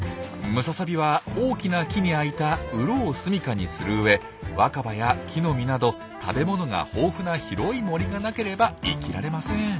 ムササビは大きな木にあいた「うろ」をすみかにするうえ若葉や木の実など食べ物が豊富な広い森がなければ生きられません。